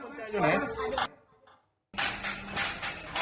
โอเคเปิดแล้ว